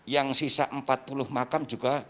yang sisa empat puluh makam juga